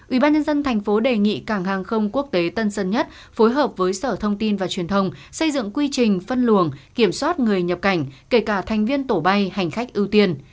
ubnd tp đề nghị cảng hàng không quốc tế tân sơn nhất phối hợp với sở thông tin và truyền thông xây dựng quy trình phân luồng kiểm soát người nhập cảnh kể cả thành viên tổ bay hành khách ưu tiên